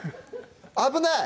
危ない！